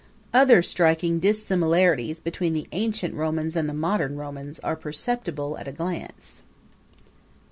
Other striking dissimilarities between the ancient Romans and the modern Romans are perceptible at a glance.